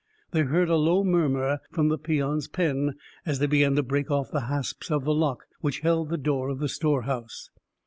They heard a low murmur from the peons' pen, as they began to break off the hasps of the lock which held the door of the storehouse.